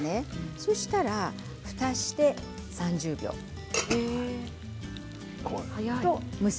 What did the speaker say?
そうしましたら、ふたをして３０秒です。